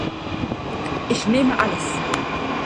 Ich nehme alles!